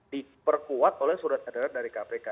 diperkuat oleh surat edaran dari kpk